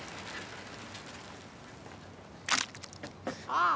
ああ！